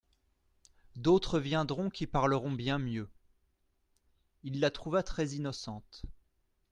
D'autres viendront qui parleront bien mieux.» Il la trouva très-innocente.